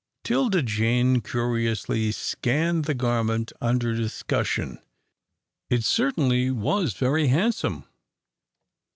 'Tilda Jane curiously scanned the garment under discussion. It certainly was very handsome.